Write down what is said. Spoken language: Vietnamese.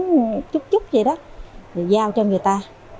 một chút chút vậy đó rồi giao cho người ta